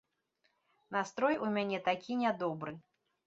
Настрой у мяне такі нядобры.